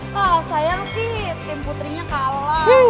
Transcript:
kau sayang sih tim putrinya kalah